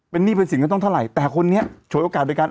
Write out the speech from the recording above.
เป็นนี่เป็นสิทธิ์ก็ต้องเท่าไหร่แต่หากคนนี้โชคโอกาสโดยการ